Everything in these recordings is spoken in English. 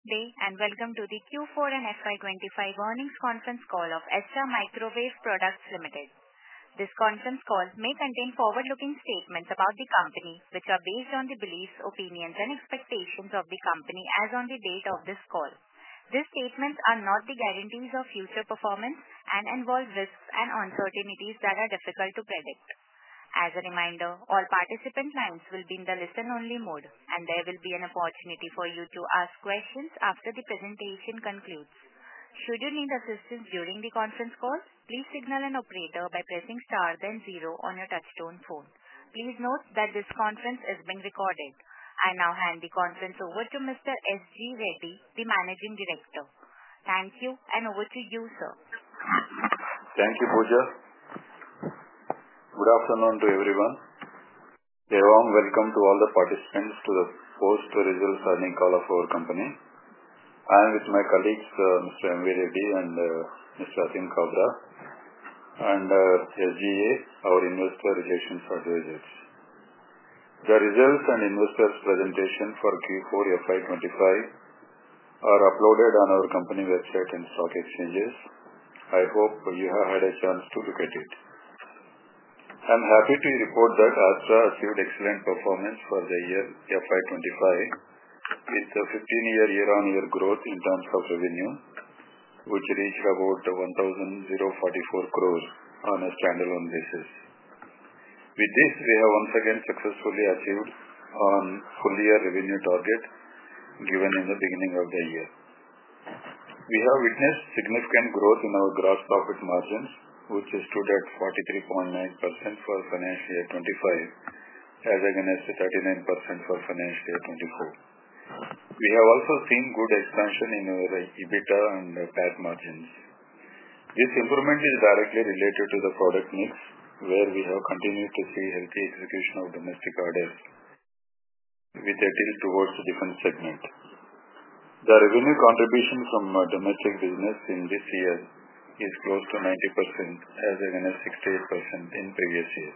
Today, and welcome to the Q4 and FY 2025 earnings conference call of Astra Microwave Products Limited. This conference call may contain forward-looking statements about the company, which are based on the beliefs, opinions, and expectations of the company as of the date of this call. These statements are not the guarantees of future performance and involve risks and uncertainties that are difficult to predict. As a reminder, all participant lines will be in the listen-only mode, and there will be an opportunity for you to ask questions after the presentation concludes. Should you need assistance during the conference call, please signal an operator by pressing star then zero on your touch-tone phone. Please note that this conference is being recorded. I now hand the conference over to Mr. SG Reddy, the Managing Director. Thank you, and over to you, sir. Thank you, Pooja. Good afternoon to everyone. A warm welcome to all the participants to the post-results earning call of our company. I am with my colleagues, Mr. MV Reddy and Mr. Atim Kabra, and SGA, our investor relations advisors. The results and investors' presentation for Q4 FY 2025 are uploaded on our company website and stock exchanges. I hope you have had a chance to look at it. I'm happy to report that Astra achieved excellent performance for the year FY 2025, with a 15% year-on-year growth in terms of revenue, which reached about 1,044 crore on a standalone basis. With this, we have once again successfully achieved our full-year revenue target given in the beginning of the year. We have witnessed significant growth in our gross profit margins, which stood at 43.9% for financial year 2025, as against 39% for financial year 2024. We have also seen good expansion in our EBITDA and PAT margins. This improvement is directly related to the product mix, where we have continued to see healthy execution of domestic orders, with a tilt towards the defense segment. The revenue contribution from domestic business in this year is close to 90%, as against 68% in previous years.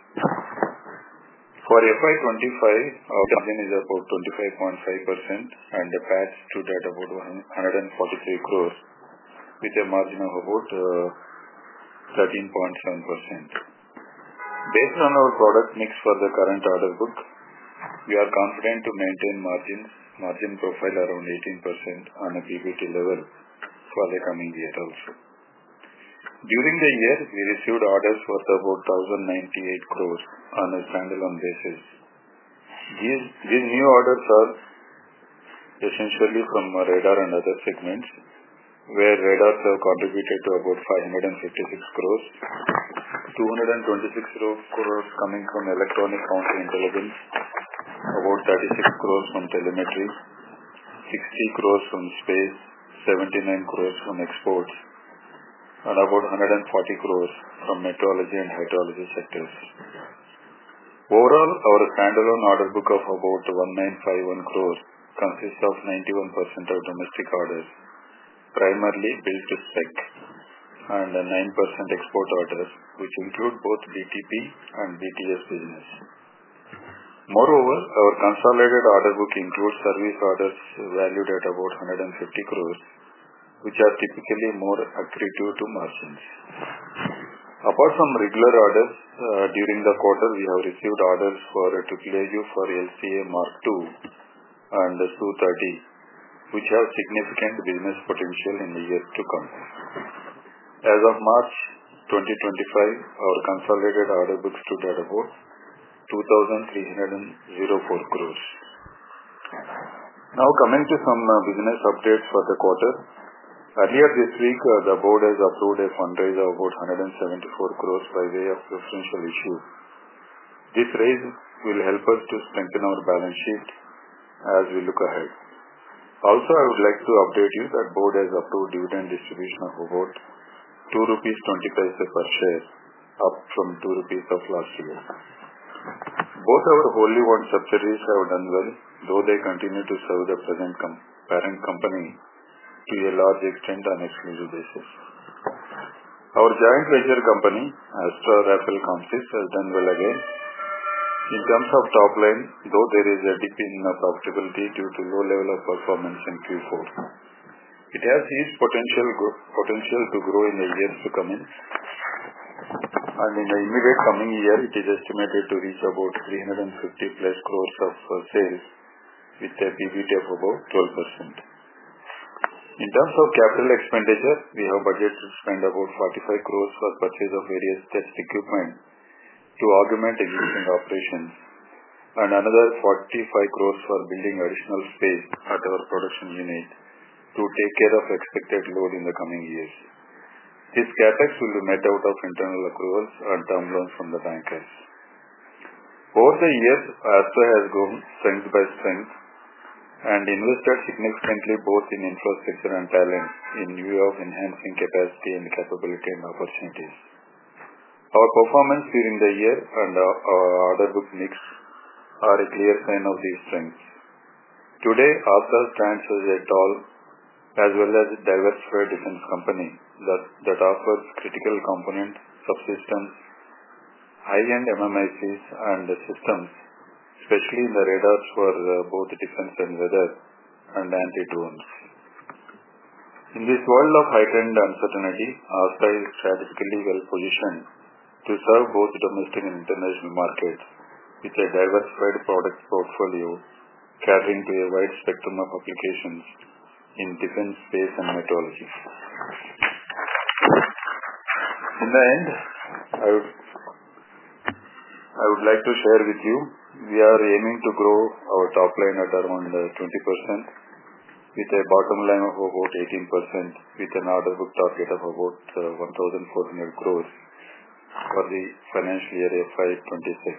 For FY 2025, our margin is about 25.5%, and the PAT stood at about 1,430,000,000, with a margin of about 13.7%. Based on our product mix for the current order book, we are confident to maintain margin profile around 18% on a PBT level for the coming year also. During the year, we received orders worth about 10,980,000,000 on a standalone basis. These new orders are essentially from radar and other segments, where radars have contributed to about 556 crore, 226 crore coming from electronic counterintelligence, about 36 crore from telemetry, 60 crore from space, 79 crore from exports, and about 140 crore from metrology and hydrology sectors. Overall, our standalone order book of about 1,951 crore consists of 91% of domestic orders, primarily build-to-spec, and 9% export orders, which include both BTP and BTS business. Moreover, our consolidated order book includes service orders valued at about 150 crore, which are typically more accretive to margins. Apart from regular orders, during the quarter, we have received orders for AAAU for LCA Mark II and SU-30, which have significant business potential in the years to come. As of March 2025, our consolidated order book stood at about 2,304 crore. Now, coming to some business updates for the quarter, earlier this week, the board has approved a fundraiser of about 174 crore by way of preferential issue. This raise will help us to strengthen our balance sheet as we look ahead. Also, I would like to update you that the board has approved dividend distribution of about 2.20 rupees per share, up from 2 rupees of last year. Both our wholly owned subsidiaries have done well, though they continue to serve the present parent company to a large extent on an exclusive basis. Our joint venture company, Astra Rafael Comsys, has done well again. In terms of top line, though there is a dip in profitability due to low level of performance in Q4, it has huge potential to grow in the years to come, and in the immediate coming year, it is estimated to reach about 350 crore plus of sales, with a PBT of about 12%. In terms of capital expenditure, we have budgeted to spend about 45 crore for purchase of various test equipment to augment existing operations, and another 45 crore for building additional space at our production unit to take care of expected load in the coming years. These CapEx will be met out of internal accruals and term loans from the bankers. Over the years, Astra has grown strength by strength and invested significantly both in infrastructure and talent in view of enhancing capacity and capability and opportunities. Our performance during the year and our order book mix are a clear sign of these strengths. Today, Astra stands as a tall as well as a diversified defense company that offers critical components, subsystems, high-end MMICs, and systems, especially in the radars for both defense and weather and anti-drones. In this world of heightened uncertainty, Astra is strategically well-positioned to serve both domestic and international markets with a diversified product portfolio catering to a wide spectrum of applications in defense, space, and metrology. In the end, I would like to share with you, we are aiming to grow our top line at around 20%, with a bottom line of about 18%, with an order book target of about 1,400 crore for the financial year 2026.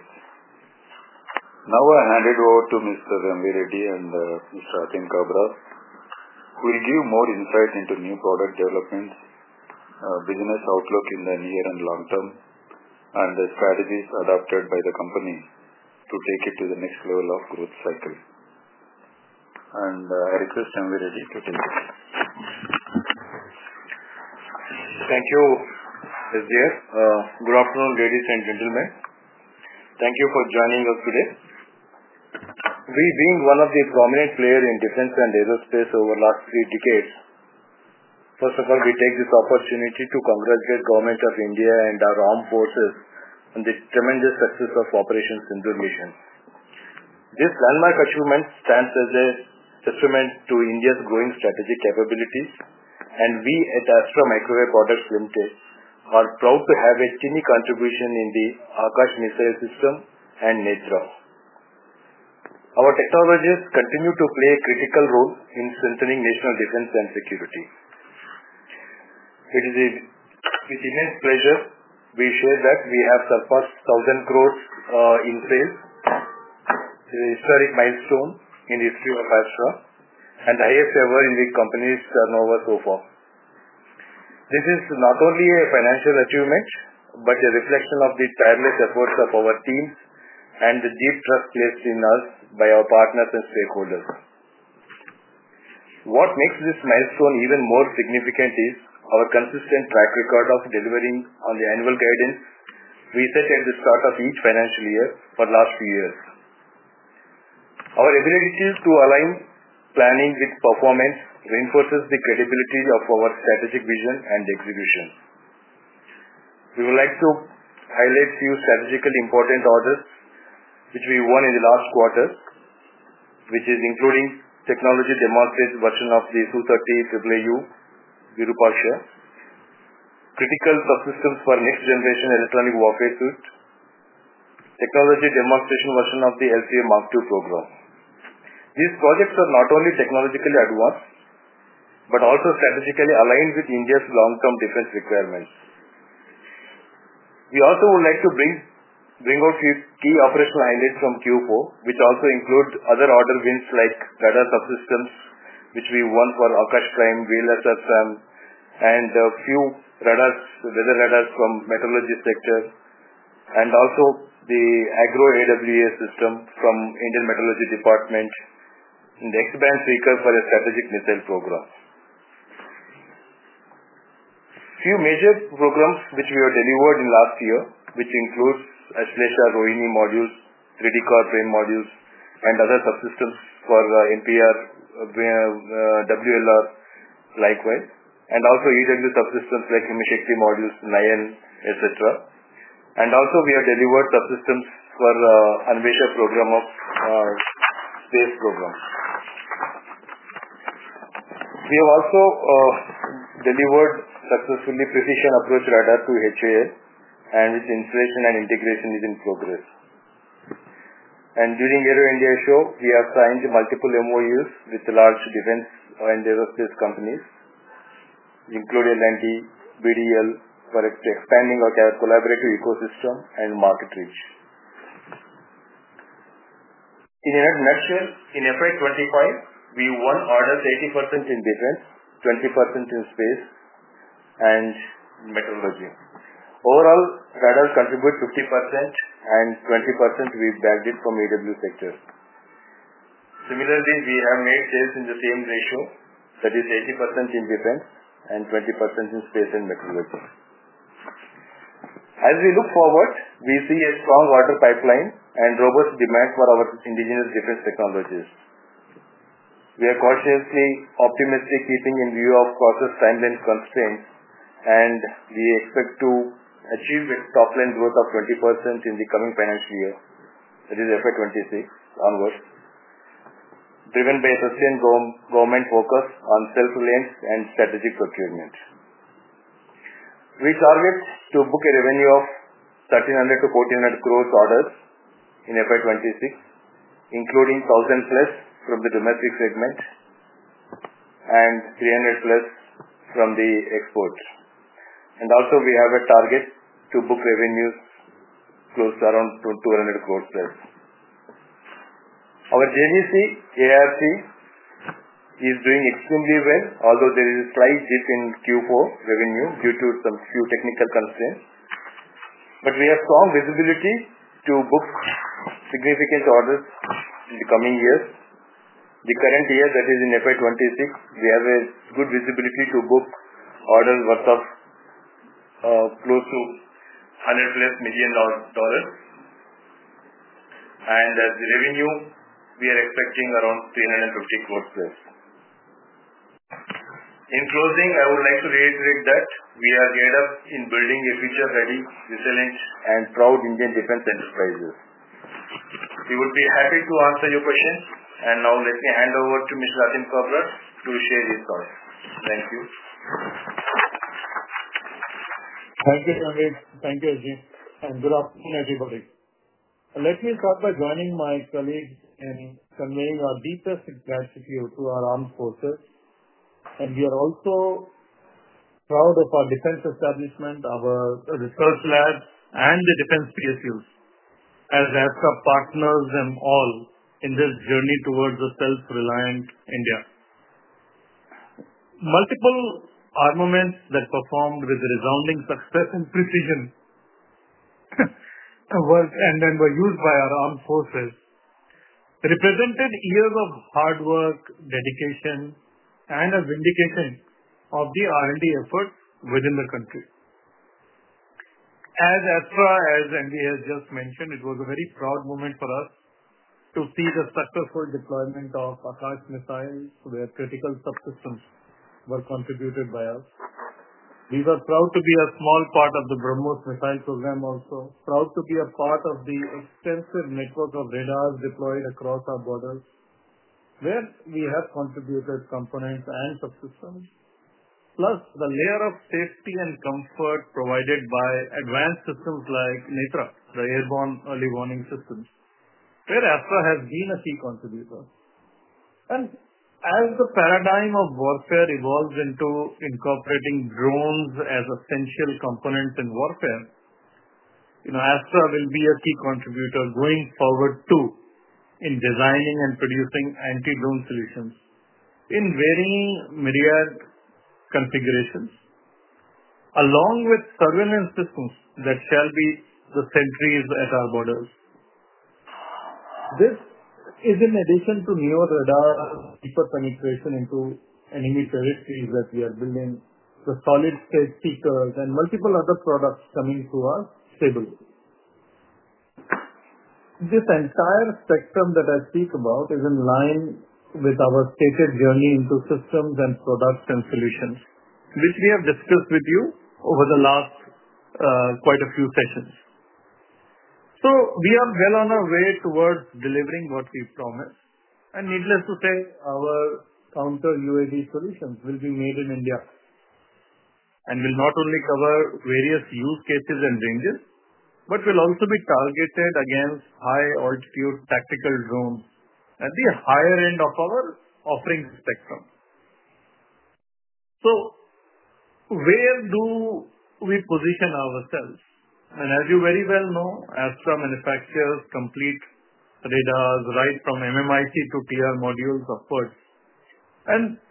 Now, I hand it over to Mr. MV Reddy and Mr. Atim Kabra, who will give more insight into new product developments, business outlook in the near and long term, and the strategies adopted by the company to take it to the next level of growth cycle. I request MV Reddy to take it. Thank you, SG. Good afternoon, ladies and gentlemen. Thank you for joining us today. We, being one of the prominent players in defense and aerospace over the last three decades, first of all, we take this opportunity to congratulate the Government of India and our armed forces on the tremendous success of Operation Sindoor Mission. This landmark achievement stands as an instrument to India's growing strategic capabilities, and we at Astra Microwave Products Limited are proud to have a tiny contribution in the Aakash missile system and NITRA. Our technologies continue to play a critical role in strengthening national defense and security. It is with immense pleasure we share that we have surpassed 1,000 crore in sales, a historic milestone in the history of Astra, and the highest ever in which company's turnover so far. This is not only a financial achievement but a reflection of the tireless efforts of our teams and the deep trust placed in us by our partners and stakeholders. What makes this milestone even more significant is our consistent track record of delivering on the annual guidance we set at the start of each financial year for the last few years. Our ability to align planning with performance reinforces the credibility of our strategic vision and execution. We would like to highlight a few strategically important orders which we won in the last quarter, which is including technology demonstration version of the SU-30 AAAU Virupaksha, critical subsystems for next-generation electronic warfare suit, and technology demonstration version of the LCA Mark II program. These projects are not only technologically advanced but also strategically aligned with India's long-term defense requirements. We also would like to bring out a few key operational highlights from Q4, which also include other order wins like radar subsystems which we won for Aakash Prime, VLSFM, and a few radars, weather radars from the meteorology sector, and also the Agro AWS system from the Indian Meteorology Department in the excellent vehicle for a strategic missile program. A few major programs which we have delivered in the last year, which includes Ashlesha Rohini modules, 3D core frame modules, and other subsystems for MPR, WLR likewise, and also EW subsystems like Himshakti modules, Nyan, etc. We have delivered subsystems for the Anvesha program of space programs. We have also delivered successfully precision approach radar to HAL, and its installation and integration is in progress. During the Euro India show, we have signed multiple MOUs with large defense and aerospace companies, including L&T, BDL, for expanding our collaborative ecosystem and market reach. In the next year, in FY 2025, we won orders 80% in defense, 20% in space, and metrology. Overall, radars contribute 50%, and 20% we backed it from the EW sector. Similarly, we have made sales in the same ratio, that is 80% in defense and 20% in space and metrology. As we look forward, we see a strong order pipeline and robust demand for our indigenous defense technologies. We are cautiously optimistic keeping in view of process time-limit constraints, and we expect to achieve a top-line growth of 20% in the coming financial year, that is FY 2026 onwards, driven by a sustained government focus on self-reliance and strategic procurement. We target to book a revenue of 1,300-1,400 crore orders in FY 2026, including 1,000 plus from the domestic segment and 300 plus from the export. We also have a target to book revenues close to around 200 crore plus. Our JGC ARC is doing extremely well, although there is a slight dip in Q4 revenue due to some few technical constraints. We have strong visibility to book significant orders in the coming years. The current year, that is in FY 2026, we have a good visibility to book orders worth of close to $100 million plus. As the revenue, we are expecting around 350 crore plus. In closing, I would like to reiterate that we are geared up in building a future-ready, resilient, and proud Indian defense enterprise. We would be happy to answer your questions. Now, let me hand over to Mr. Atim Kabra to share his thoughts. Thank you. Thank you, MV. Good afternoon, everybody. Let me start by joining my colleagues in conveying our deepest gratitude to our armed forces. We are also proud of our defense establishment, our research labs, and the defense PSUs as Astra partners them all in this journey towards a self-reliant India. Multiple armaments that performed with resounding success and precision and were used by our armed forces represented years of hard work, dedication, and a vindication of the R&D efforts within the country. As Astra and we have just mentioned, it was a very proud moment for us to see the successful deployment of Aakash missiles, where critical subsystems were contributed by us. We were proud to be a small part of the BrahMos missile program, also proud to be a part of the extensive network of radars deployed across our borders, where we have contributed components and subsystems, plus the layer of safety and comfort provided by advanced systems like NITRA, the airborne early warning system, where Astra has been a key contributor. As the paradigm of warfare evolves into incorporating drones as essential components in warfare, Astra will be a key contributor going forward too in designing and producing anti-drone solutions in varying myriad configurations, along with surveillance systems that shall be the sentries at our borders. This is in addition to newer radar, deeper penetration into enemy territories that we are building, the solid-state seekers, and multiple other products coming to us. Stability. This entire spectrum that I speak about is in line with our stated journey into systems and products and solutions, which we have discussed with you over the last quite a few sessions. We are well on our way towards delivering what we promised. Needless to say, our counter-UAV solutions will be made in India and will not only cover various use cases and ranges, but will also be targeted against high-altitude tactical drones at the higher end of our offering spectrum. Where do we position ourselves? As you very well know, Astra manufactures complete radars right from MMIC to TR modules upwards.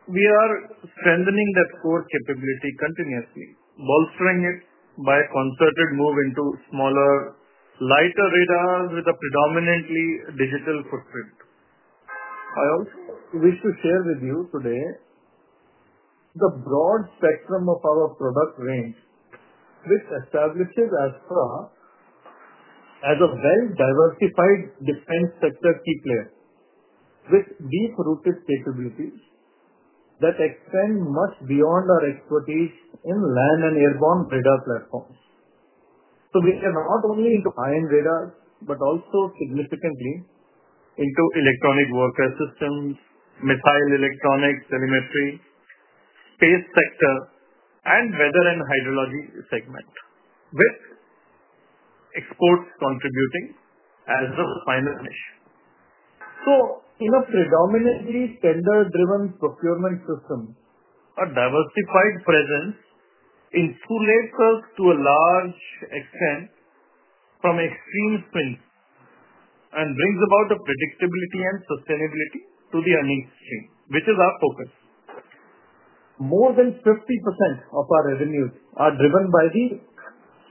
We are strengthening that core capability continuously, bolstering it by a concerted move into smaller, lighter radars with a predominantly digital footprint. I also wish to share with you today the broad spectrum of our product range, which establishes Astra as a well-diversified defense sector key player with deep-rooted capabilities that extend much beyond our expertise in land and airborne radar platforms. We are not only into high-end radars, but also significantly into electronic warfare systems, missile electronics, telemetry, space sector, and weather and hydrology segment, with exports contributing as the final niche. In a predominantly tender-driven procurement system, a diversified presence insulates us to a large extent from extreme strengths and brings about the predictability and sustainability to the unextreme which is our focus. More than 50% of our revenues are driven by the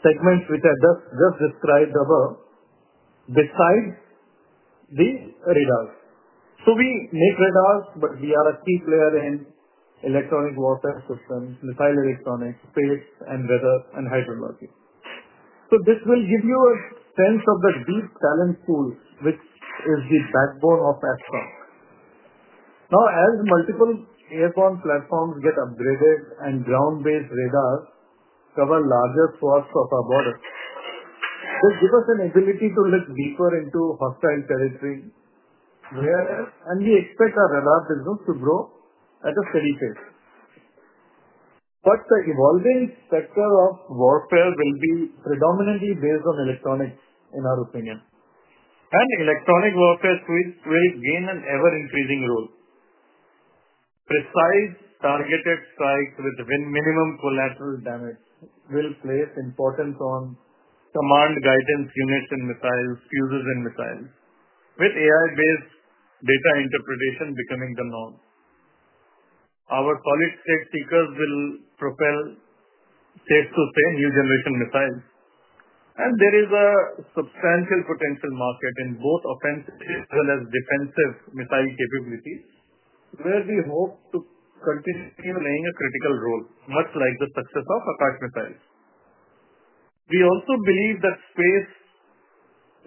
segments which I just described above, besides the radars. We make radars, but we are a key player in electronic warfare systems, missile electronics, space, and weather, and hydrology. This will give you a sense of the deep talent pool which is the backbone of Astra. Now, as multiple airborne platforms get upgraded and ground-based radars cover larger swaths of our borders, they give us an ability to look deeper into hostile territory, and we expect our radar business to grow at a steady pace. The evolving sector of warfare will be predominantly based on electronics, in our opinion. Electronic warfare suites will gain an ever-increasing role. Precise, targeted strikes with minimum collateral damage will place importance on command-guidance units and missiles, fuses, and missiles, with AI-based data interpretation becoming the norm. Our solid-state seekers will propel safe-to-say new-generation missiles. There is a substantial potential market in both offensive as well as defensive missile capabilities, where we hope to continue playing a critical role, much like the success of Aakash missiles. We also believe that space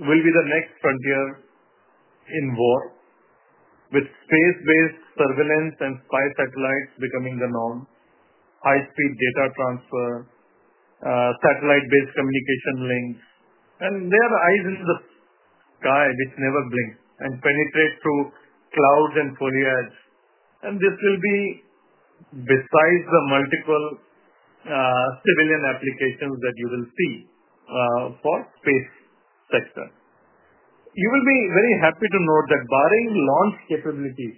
will be the next frontier in war, with space-based surveillance and spy satellites becoming the norm, high-speed data transfer, satellite-based communication links. They are eyes in the sky which never blink and penetrate through clouds and foliage. This will be, besides the multiple civilian applications that you will see for the space sector, you will be very happy to note that, barring launch capabilities,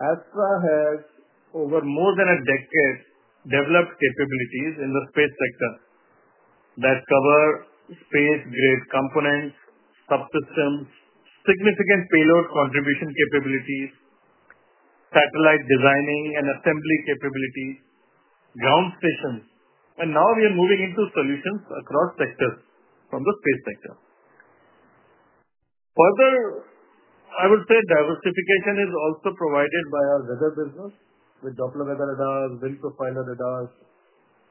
Astra has, over more than a decade, developed capabilities in the space sector that cover space-grade components, subsystems, significant payload contribution capabilities, satellite designing and assembly capabilities, ground stations. Now we are moving into solutions across sectors from the space sector. Further, I would say diversification is also provided by our weather business with Doppler weather radars, wind-profiler radars,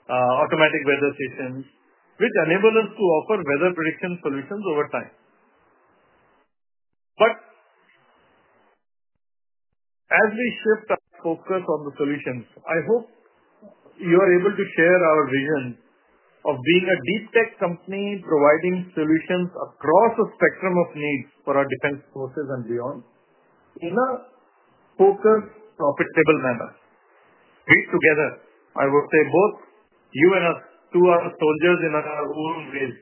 automatic weather stations, which enable us to offer weather prediction solutions over time. As we shift our focus on the solutions, I hope you are able to share our vision of being a deep-tech company providing solutions across a spectrum of needs for our defense forces and beyond in a focused, profitable manner. We together, I would say both you and us, too, are soldiers in our own ways,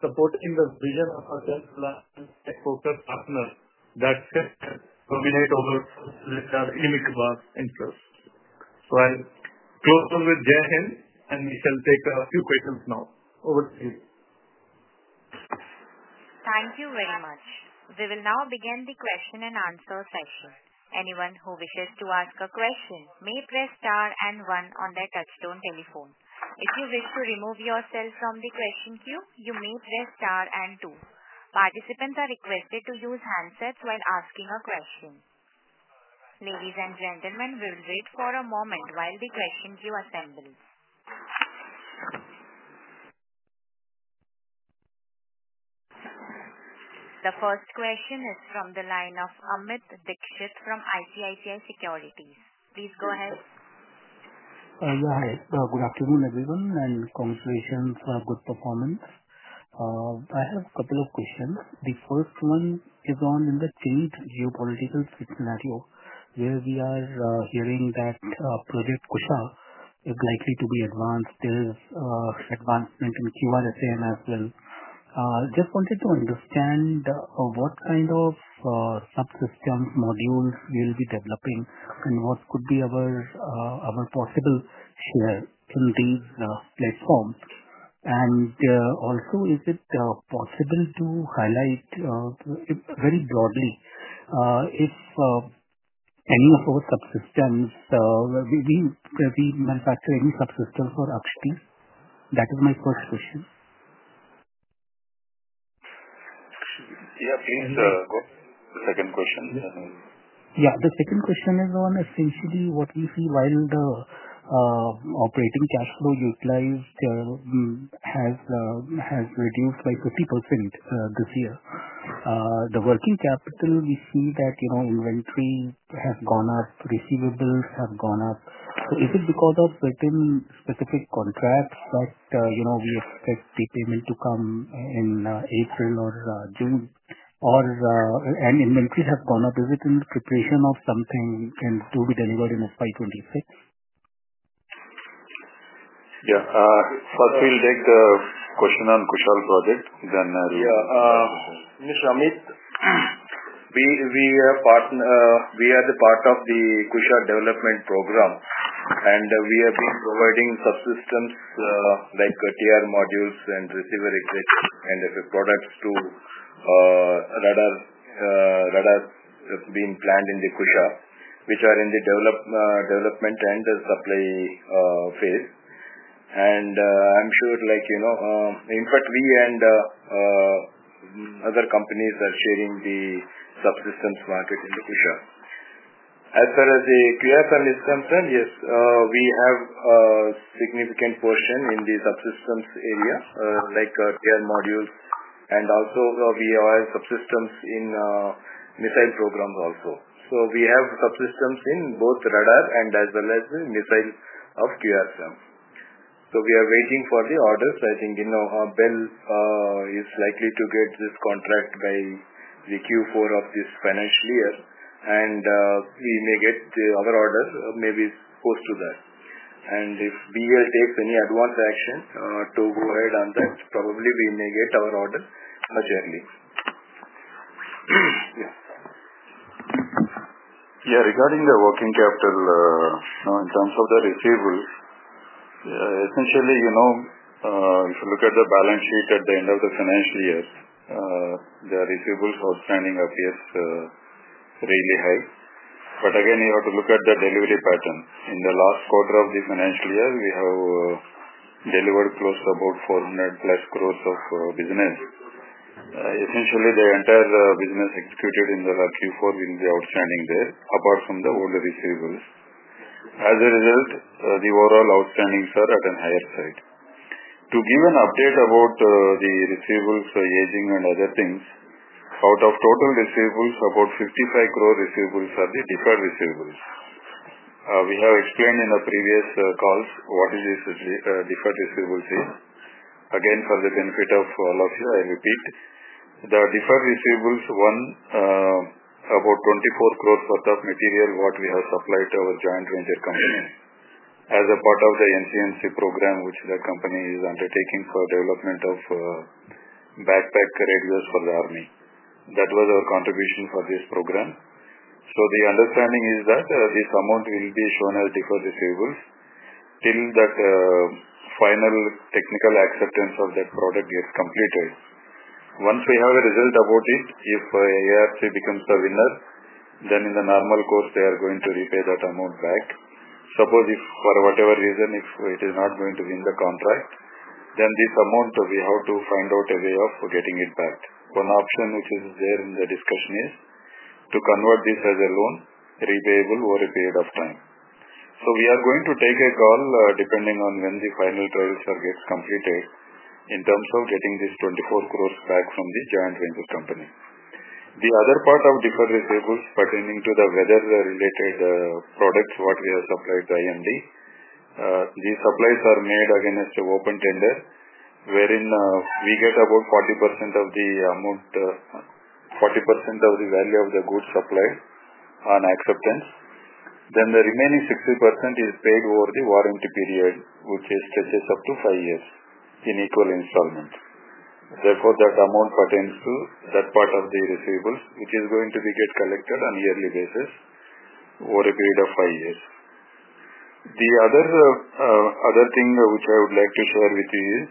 supporting the vision of our 10-plus tech-focused partners that can dominate over our inimitable interests. I'll close with Jehan, and we shall take a few questions now. Over to you. Thank you very much. We will now begin the question-and-answer session. Anyone who wishes to ask a question may press star and one on their touchstone telephone. If you wish to remove yourself from the question queue, you may press star and two. Participants are requested to use handsets while asking a question. Ladies and gentlemen, we will wait for a moment while the question queue assembles. The first question is from the line of Amit Dixit from ICICI Securities. Please go ahead. Yeah, hi. Good afternoon, everyone, and congratulations for a good performance. I have a couple of questions. The first one is on the current geopolitical scenario, where we are hearing that Project Kushal is likely to be advanced. There is advancement in QRSAM as well. I just wanted to understand what kind of subsystems, modules we will be developing, and what could be our possible share in these platforms. Also, is it possible to highlight very broadly if any of our subsystems—we manufacture any subsystems for Akash? That is my first question. Yeah, please go ahead. The second question. Yeah, the second question is on essentially what we see while the operating cash flow utilized has reduced by 50% this year. The working capital, we see that inventory has gone up, receivables have gone up. Is it because of certain specific contracts that we expect the payment to come in April or June, and inventories have gone up? Is it in the preparation of something and to be delivered in FY 2026? Yeah. First, we'll take the question on Kushal project, then I'll— Yeah. Mr. Amit, we are the part of the Kushal development program, and we have been providing subsystems like TR modules and receiver equipment and products to radars being planned in the Kushal, which are in the development and supply phase. I'm sure, in fact, we and other companies are sharing the subsystems market in the Kushal. As far as the QFM is concerned, yes, we have a significant portion in the subsystems area, like TR modules, and also we have subsystems in missile programs also. We have subsystems in both radar and as well as the missile of QFM. We are waiting for the orders. I think BEL is likely to get this contract by the Q4 of this financial year, and we may get the other order maybe post to that. If BEL takes any advanced action to go ahead on that, probably we may get our order much earlier. Yes. Regarding the working capital, in terms of the receivables, essentially, if you look at the balance sheet at the end of the financial year, the receivables outstanding appears really high. Again, you have to look at the delivery pattern. In the last quarter of the financial year, we have delivered close to about 400-plus crore of business. Essentially, the entire business executed in the Q4 will be outstanding there, apart from the old receivables. As a result, the overall outstandings are at a higher side. To give an update about the receivables, aging, and other things, out of total receivables, about 55 crore receivables are the deferred receivables. We have explained in the previous calls what is this deferred receivables is. Again, for the benefit of all of you, I repeat, the deferred receivables run about 24 crore worth of material what we have supplied to our joint venture company as a part of the NCNC program, which the company is undertaking for development of backpack radios for the army. That was our contribution for this program. The understanding is that this amount will be shown as deferred receivables till that final technical acceptance of that product gets completed. Once we have a result about it, if ARC becomes the winner, then in the normal course, they are going to repay that amount back. Suppose if for whatever reason, if it is not going to win the contract, then this amount we have to find out a way of getting it back. One option which is there in the discussion is to convert this as a loan, repayable over a period of time. We are going to take a call depending on when the final trial gets completed in terms of getting this 24 crores back from the joint venture company. The other part of deferred receivables pertaining to the weather-related products what we have supplied to IMD, these supplies are made against an open tender, wherein we get about 40% of the amount, 40% of the value of the goods supplied on acceptance. Then the remaining 60% is paid over the warranty period, which stretches up to five years in equal installment. Therefore, that amount pertains to that part of the receivables which is going to be collected on a yearly basis over a period of five years. The other thing which I would like to share with you is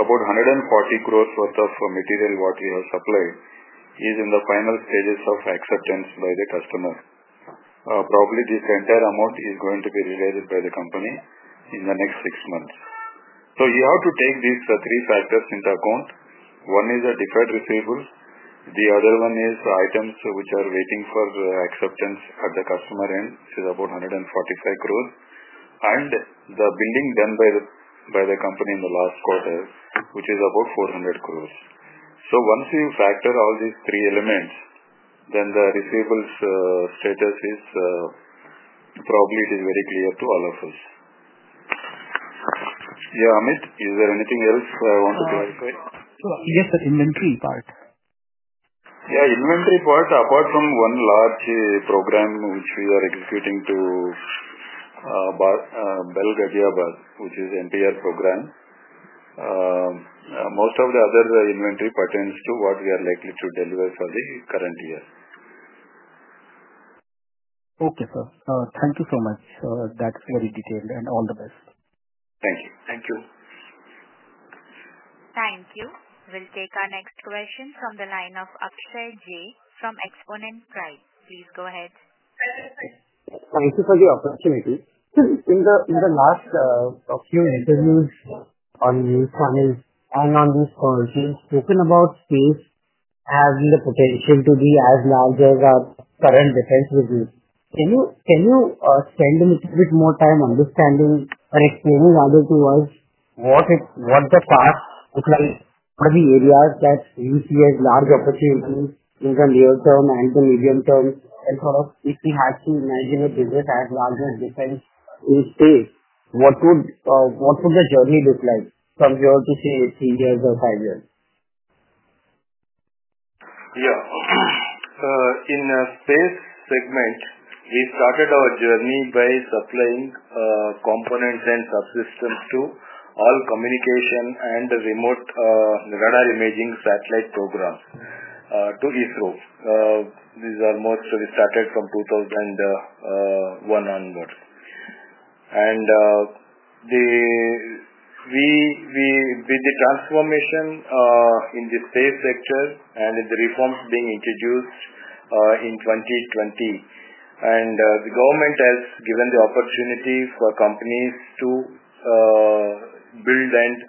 about 140 crore worth of material what we have supplied is in the final stages of acceptance by the customer. Probably this entire amount is going to be realized by the company in the next six months. You have to take these three factors into account. One is the deferred receivables. The other one is items which are waiting for acceptance at the customer end, which is about 145 crore, and the billing done by the company in the last quarter, which is about 400 crore. Once you factor all these three elements, then the receivables status is probably very clear to all of us. Yeah, Amit, is there anything else I want to clarify? Yes, sir. Inventory part. Yeah, inventory part, apart from one large program which we are executing to BEL Ghaziabad, which is NPR program, most of the other inventory pertains to what we are likely to deliver for the current year. Okay, sir. Thank you so much. That's very detailed, and all the best. Thank you. Thank you. Thank you. We'll take our next question from the line of Akshay Jay from Exponent Pride. Please go ahead. Thank you for the opportunity. In the last few interviews on this channel and on this project, you've spoken about space as the potential to be as large as our current defense business. Can you spend a little bit more time understanding or explaining a little bit to us what the path looks like for the areas that you see as large opportunities in the near term and the medium term? If we had to imagine a business as large as defense in space, what would the journey look like from here to say three years or five years? Yeah. In the space segment, we started our journey by supplying components and subsystems to all communication and remote radar imaging satellite programs to ISRO. These are mostly started from 2001 onwards. With the transformation in the space sector and with the reforms being introduced in 2020, the government has given the opportunity for companies to build and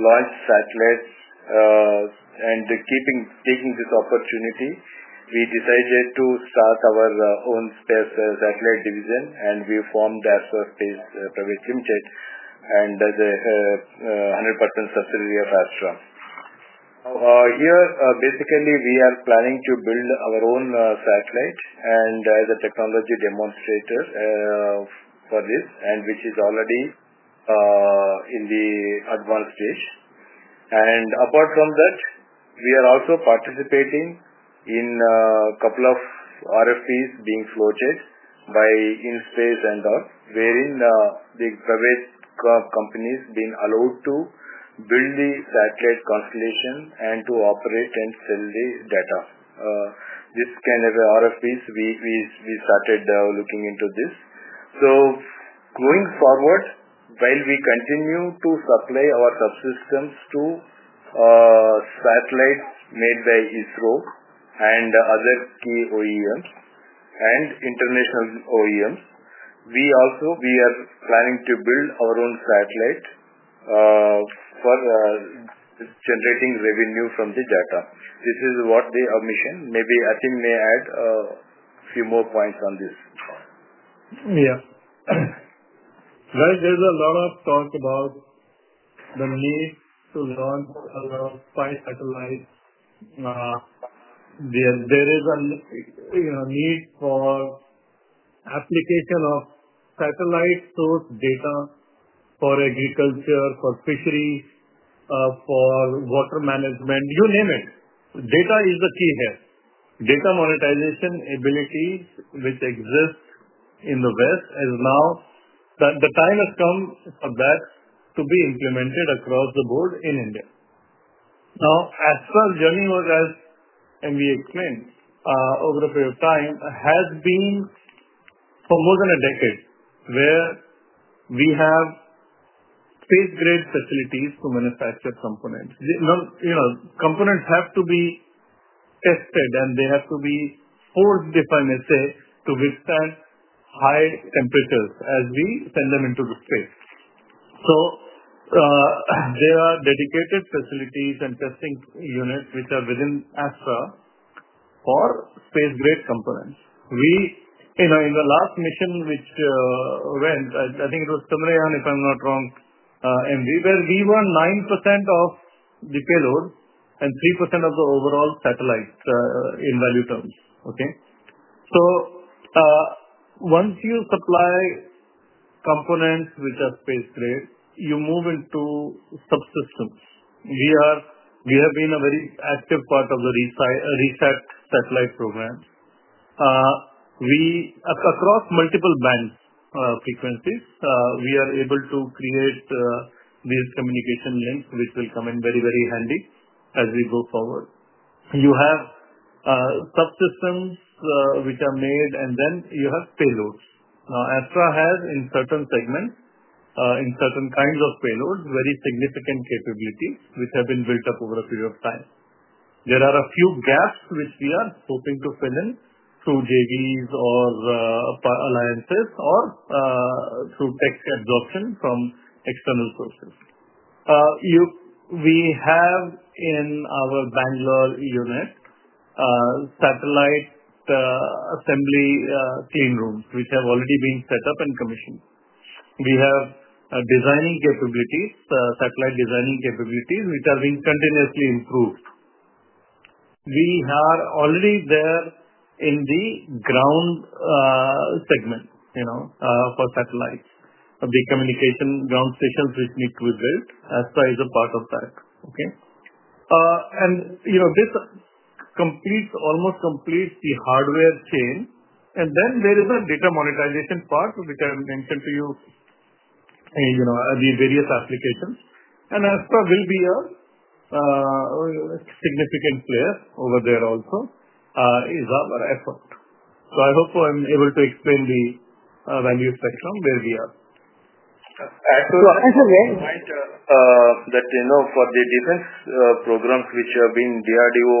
launch satellites, and taking this opportunity, we decided to start our own space satellite division, and we formed ASRO Space Private Limited as a 100% subsidiary of Astra. Here, basically, we are planning to build our own satellite as a technology demonstrator for this, which is already in the advanced stage. Apart from that, we are also participating in a couple of RFPs being floated by IN-SPACe and DOT, wherein private companies have been allowed to build the satellite constellation and to operate and sell the data. This kind of RFPs, we started looking into this. Going forward, while we continue to supply our subsystems to satellites made by ISRO and other key OEMs and international OEMs, we also are planning to build our own satellite for generating revenue from the data. This is what the mission may be—I think may add a few more points on this. Yeah. There is a lot of talk about the need to launch a lot of spy satellites. There is a need for application of satellite source data for agriculture, for fishery, for water management, you name it. Data is the key here. Data monetization abilities which exist in the West as now, the time has come for that to be implemented across the board in India. Now, as far as Jehan was asked, and we explained over a period of time, has been for more than a decade where we have space-grade facilities to manufacture components. Components have to be tested, and they have to be forced, if I may say, to withstand high temperatures as we send them into the space. There are dedicated facilities and testing units which are within ISRO for space-grade components. In the last mission which went, I think it was Kumarayan, if I'm not wrong, MV, where we were 9% of the payload and 3% of the overall satellite in value terms. Okay? Once you supply components which are space-grade, you move into subsystems. We have been a very active part of the RESAC satellite program. Across multiple band frequencies, we are able to create these communication links which will come in very, very handy as we go forward. You have subsystems which are made, and then you have payloads. Now, ISRO has, in certain segments, in certain kinds of payloads, very significant capabilities which have been built up over a period of time. There are a few gaps which we are hoping to fill in through JVs or alliances or through tech absorption from external sources. We have, in our Bangalore unit, satellite assembly cleanrooms which have already been set up and commissioned. We have designing capabilities, satellite designing capabilities which are being continuously improved. We are already there in the ground segment for satellites. The communication ground stations which need to be built as far as a part of that. Okay? This almost completes the hardware chain. There is a data monetization part which I mentioned to you, the various applications. ISRO will be a significant player over there also, is our effort. I hope I'm able to explain the value spectrum where we are. I should remind that for the defense programs which have been, DRDO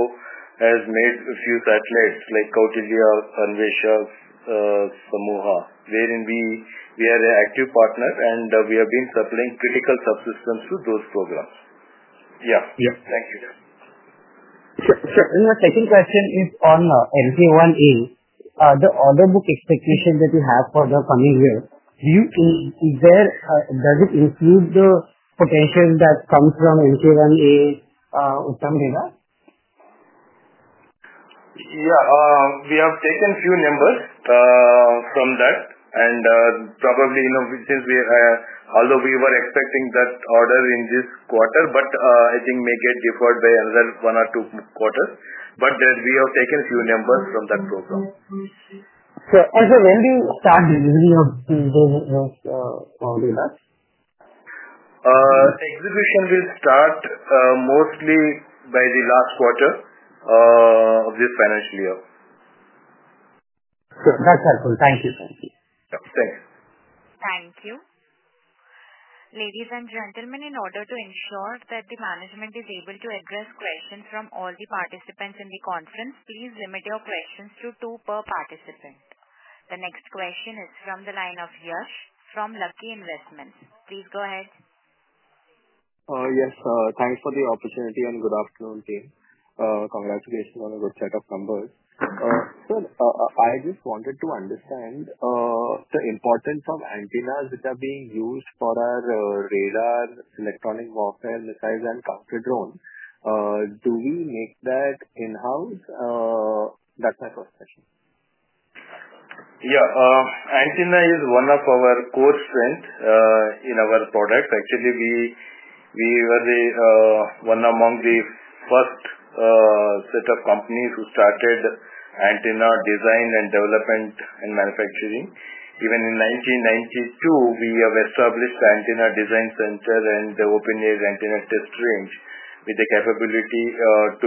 has made a few satellites like Kautilya, Anveshak, Samuha, wherein we are an active partner, and we have been supplying critical subsystems to those programs. Yeah. Thank you. Sir, my second question is on LK-1A. The order book expectation that you have for the coming year, does it include the potential that comes from LK-1A Uttam Radar? Yeah. We have taken a few numbers from that. Probably, since we are—although we were expecting that order in this quarter, I think it may get deferred by another one or two quarters. We have taken a few numbers from that program. Sir, when will you start delivery of these data? Execution will start mostly by the last quarter of this financial year. Sure. That's helpful. Thank you. Thank you. Ladies and gentlemen, in order to ensure that the management is able to address questions from all the participants in the conference, please limit your questions to two per participant. The next question is from the line of Yash Bajaj from Lucky Investment. Please go ahead. Yes. Thanks for the opportunity and good afternoon, team. Congratulations on a good set of numbers. Sir, I just wanted to understand the importance of antennas which are being used for our radar, electronic warfare, missiles, and counter drone. Do we make that in-house? That's my first question. Yeah. Antenna is one of our core strengths in our product. Actually, we were one among the first set of companies who started antenna design and development and manufacturing. Even in 1992, we have established the antenna design center and the open-air antenna test range with the capability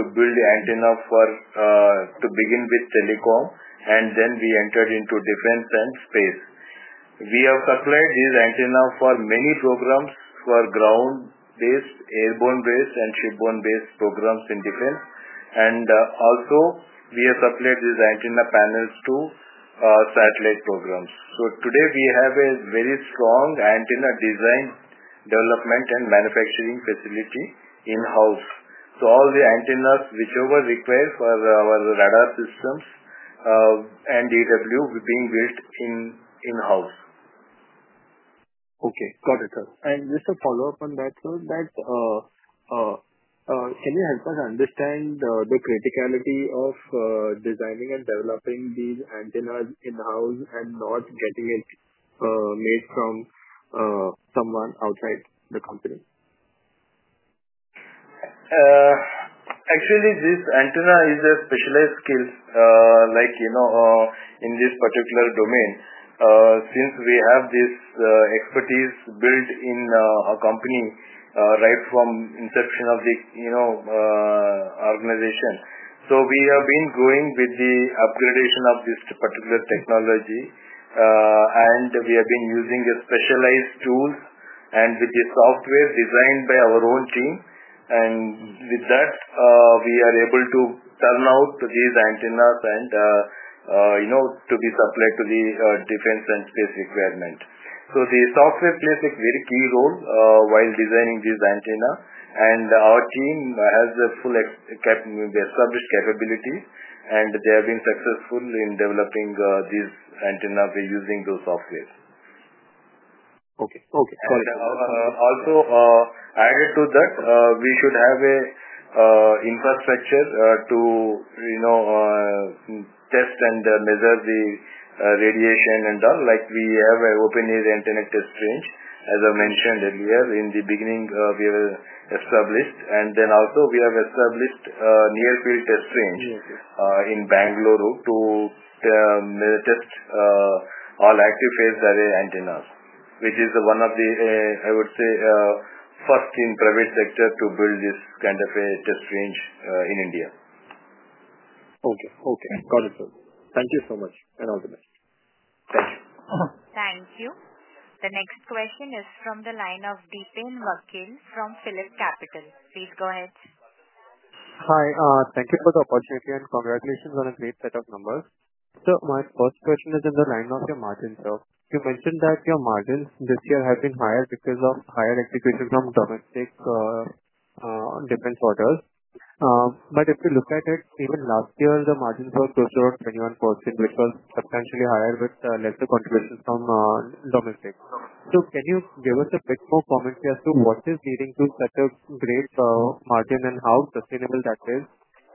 to build the antenna for, to begin with, telecom, and then we entered into defense and space. We have supplied these antennas for many programs for ground-based, airborne-based, and shipborne-based programs in defense. We have also supplied these antenna panels to satellite programs. Today, we have a very strong antenna design, development, and manufacturing facility in-house. All the antennas whichever required for our radar systems and EW being built in-house. Okay. Got it, sir. Just a follow-up on that, sir, can you help us understand the criticality of designing and developing these antennas in-house and not getting it made from someone outside the company? Actually, this antenna is a specialized skill in this particular domain since we have this expertise built in a company right from inception of the organization. We have been going with the upgradation of this particular technology, and we have been using specialized tools and with the software designed by our own team. With that, we are able to turn out these antennas and to be supplied to the defense and space requirement. The software plays a very key role while designing these antennas. Our team has established capabilities, and they have been successful in developing these antennas by using those software. Okay. Okay. Got it. Also, added to that, we should have an infrastructure to test and measure the radiation and all. We have an open-air antenna test range, as I mentioned earlier in the beginning, we have established. And then also, we have established a near-field test range in Bangalore to test all active phase array antennas, which is one of the, I would say, first in private sector to build this kind of a test range in India. Okay. Okay. Got it, sir. Thank you so much. And all the best. Thank you. Thank you. The next question is from the line of Dipen Vakil from Phillip Capital. Please go ahead. Hi. Thank you for the opportunity, and congratulations on a great set of numbers. Sir, my first question is in the line of your margins, sir. You mentioned that your margins this year have been higher because of higher execution from domestic defense orders. If you look at it, even last year, the margins were closer to 21%, which was substantially higher with lesser contributions from domestic. Can you give us a bit more commentary as to what is leading to such a great margin and how sustainable that is?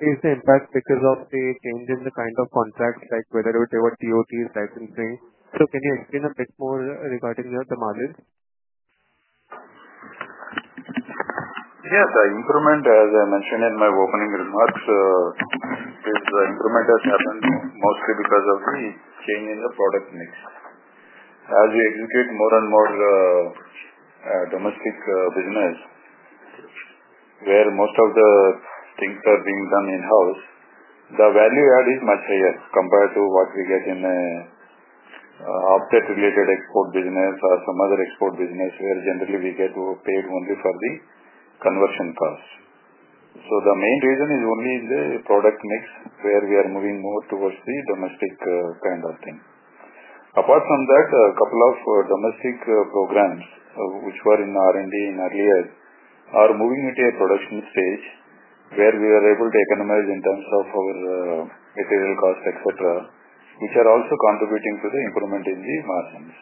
Is the impact because of the change in the kind of contracts, like whether it is your DOT's licensing? Can you explain a bit more regarding the margins? Yes. The increment, as I mentioned in my opening remarks, is the increment has happened mostly because of the change in the product mix. As we execute more and more domestic business, where most of the things are being done in-house, the value add is much higher compared to what we get in the update-related export business or some other export business, where generally we get paid only for the conversion cost. The main reason is only the product mix, where we are moving more towards the domestic kind of thing. Apart from that, a couple of domestic programs which were in R&D earlier are moving into a production stage, where we are able to economize in terms of our material cost, etc., which are also contributing to the increment in the margins.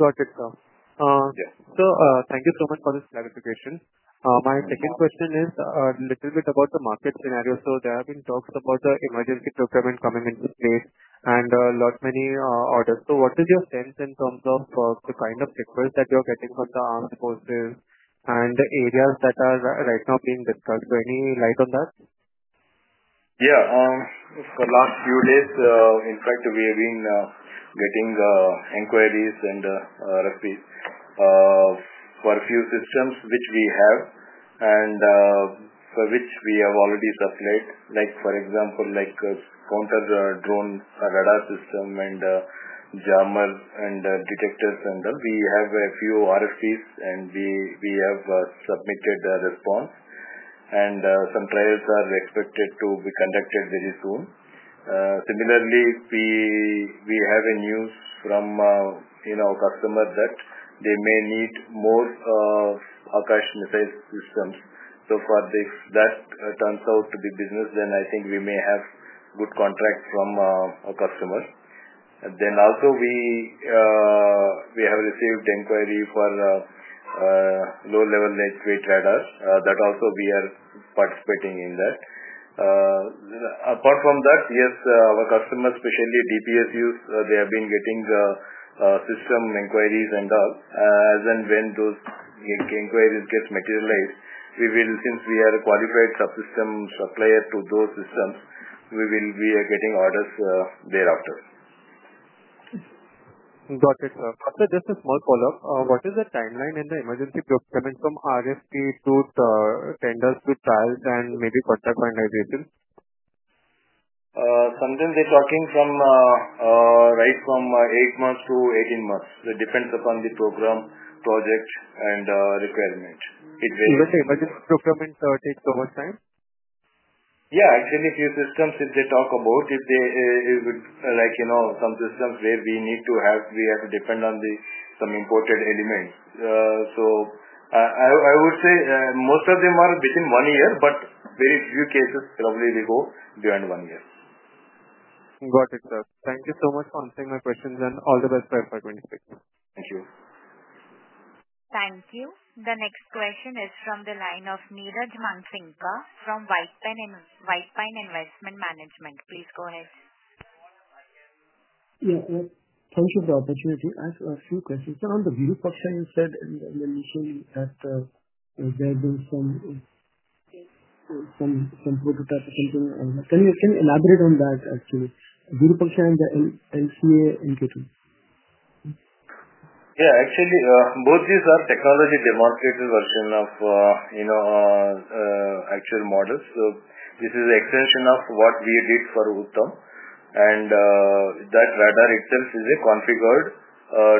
Got it, sir. Sir, thank you so much for this clarification. My second question is a little bit about the market scenario. There have been talks about the emergency program coming into place and a lot many orders. What is your sense in terms of the kind of requests that you're getting from the armed forces and the areas that are right now being discussed? Any light on that? Yeah. For the last few days, in fact, we have been getting inquiries and RFPs for a few systems which we have and for which we have already supplied. For example, counter drone radar system and jammer and detectors and all. We have a few RFPs, and we have submitted a response. Some trials are expected to be conducted very soon. Similarly, we have news from our customer that they may need more of Aakash missile systems. If that turns out to be business, then I think we may have a good contract from our customer. We have received inquiry for low-level lightweight radars. We are participating in that. Apart from that, yes, our customers, especially DPSUs, have been getting system inquiries and all. As and when those inquiries get materialized, since we are a qualified subsystem supplier to those systems, we will be getting orders thereafter. Got it, sir. Sir, just a small follow-up. What is the timeline in the emergency procurement from RFP to tenders to trials and maybe contract finalization? Sometimes they're talking from right from 8 months to 18 months. It depends upon the program, project, and requirement. It varies. Do you say emergency procurement takes over time? Yeah. Actually, a few systems, if they talk about, like some systems where we need to have we have to depend on some imported elements. I would say most of them are within one year, but very few cases probably they go beyond one year. Got it, sir. Thank you so much for answering my questions, and all the best for FY26. Thank you. Thank you. The next question is from the line of Niraj Mansingka from White Pine Investment Management. Please go ahead. Yes. Thank you for the opportunity to ask a few questions. Sir, on the Gauravpaksha, you said in the initial that there have been some prototype or something. Can you elaborate on that, actually? Gauravpaksha, LCA, and K2? Yeah. Actually, both these are technology demonstrated version of actual models. This is an extension of what we did for Uttam. That radar itself is configured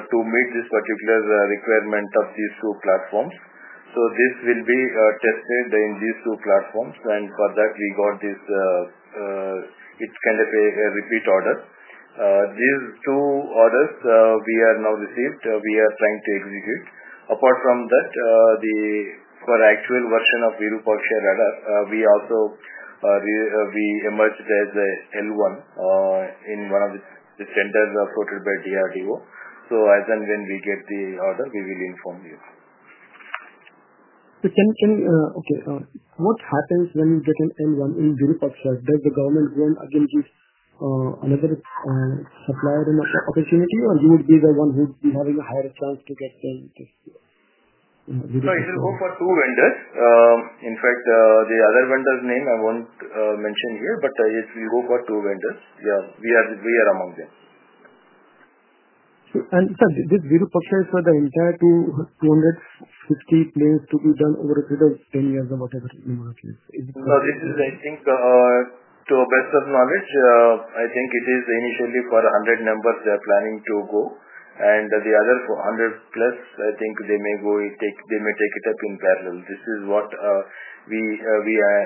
to meet this particular requirement of these two platforms. This will be tested in these two platforms. For that, we got this kind of a repeat order. These two orders we have now received. We are trying to execute. Apart from that, for actual version of Gauravpaksha radar, we emerged as L1 in one of the centers afforded by DRDO. As and when we get the order, we will inform you. Okay. What happens when you get an L1 in Gauravpaksha, does the government go and again give another supplier an opportunity, or you would be the one who would be having a higher chance to get the Gauravpaksha? It will go for two vendors. In fact, the other vendor's name I won't mention here, but it will go for two vendors. Yeah. We are among them. Sir, did Gauravpaksha for the entire 250 planned to be done over a period of 10 years or whatever number of years? No, this is, I think, to the best of knowledge. I think it is initially for 100 numbers they are planning to go. The other 100 plus, I think they may take it up in parallel. This is what we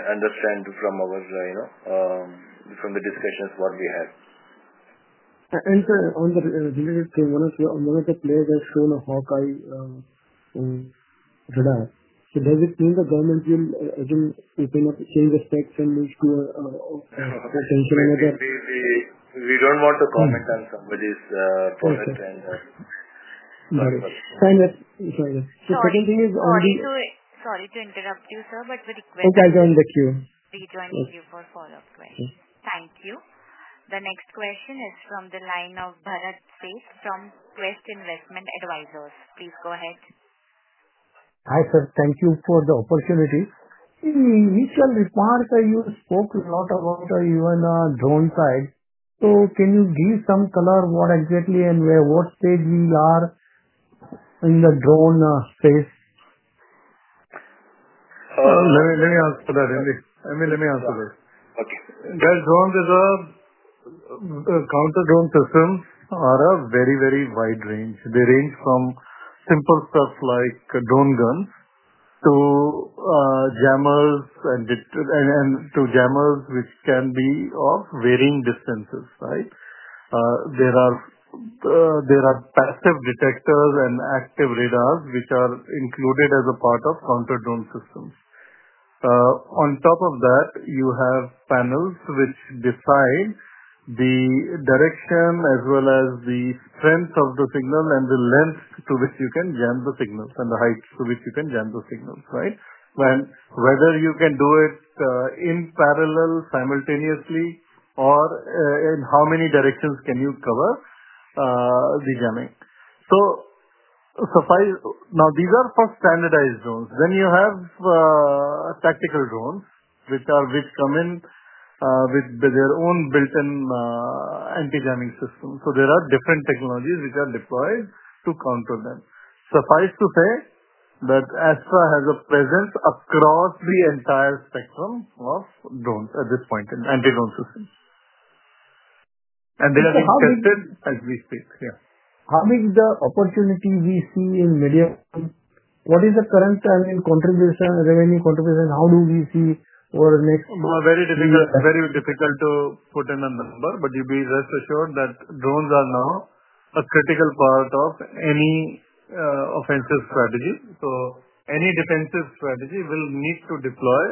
understand from the discussions we have. Sir, on the related thing, one of the players has shown a Hawkeye radar. Does it mean the government will, again, open up, change the specs and move to a potential another? We do not want to comment on somebody's product and all. Fine. Second thing is on the— Sorry to interrupt you, sir, but the request— Oh, I joined the queue. We joined the queue for follow-up questions. Thank you. The next question is from the line of Bharat Sheth from Quest Investment Advisors. Please go ahead. Hi, sir. Thank you for the opportunity. Initial remark, you spoke a lot about even drone side. Can you give some color what exactly and what stage we are in the drone space? Let me answer that. Let me answer that. There are drones as well. Counter drone systems are a very, very wide range. They range from simple stuff like drone guns to jammers which can be of varying distances, right? There are passive detectors and active radars which are included as a part of counter drone systems. On top of that, you have panels which decide the direction as well as the strength of the signal and the length to which you can jam the signals and the heights to which you can jam the signals, right? Whether you can do it in parallel, simultaneously, or in how many directions can you cover the jamming. These are for standardized drones. Then you have tactical drones which come in with their own built-in anti-jamming systems. There are different technologies which are deployed to counter them. Suffice to say that Astra has a presence across the entire spectrum of drones at this point in anti-drone systems. They have been tested as we speak. Yeah. How big is the opportunity we see in media? What is the current revenue contribution? How do we see over the next? Very difficult to put in a number, but you be rest assured that drones are now a critical part of any offensive strategy. Any defensive strategy will need to deploy